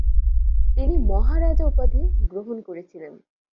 তিনি "মহারাজা" উপাধি গ্রহণ করেছিলেন।